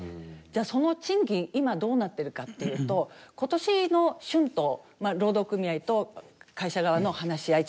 じゃあその賃金今どうなってるかというと今年の春闘まあ労働組合と会社側の話し合い